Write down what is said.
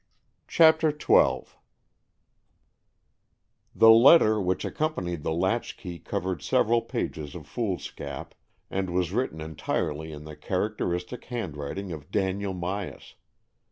CHAPTER XII The letter which accompanied the latch key covered several pages of foolscap, and was written entirely in the characteristic hand writing of Daniel Myas.